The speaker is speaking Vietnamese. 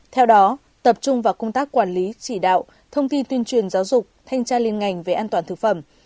theo đó tập trung vào công tác quản lý chỉ đạo thông tin tuyên truyền giáo dục thanh tra liên ngành về an toàn thực phẩm